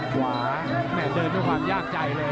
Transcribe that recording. ขวาแม่เดินด้วยความยากใจเลย